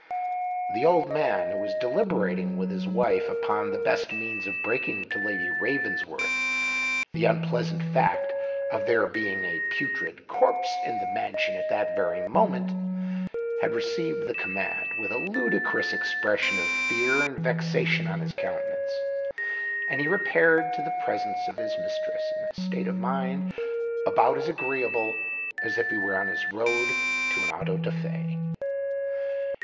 The old man, who was deliberating with his wife upon the best means of breaking to Lady Ravensworth the unpleasant fact of there being a putrid corpse in the mansion at that very moment, received the command with a ludicrous expression of fear and vexation on his countenance; and he repaired to the presence of his mistress in a state of mind about as agreeable as if he were on his road to an auto da fé.